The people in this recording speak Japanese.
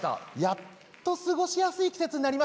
やっと過ごしやすい季節になりましたね。